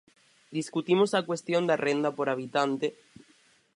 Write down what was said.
Discutimos a cuestión da renda por habitante.